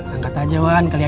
angkat aja wan kalian aja berdua